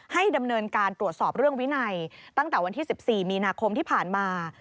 ให้ดำเนินการตรวจสอบเรื่องวินัยตั้งแต่วันที่๑๔มีนาคมที่ผ่านมา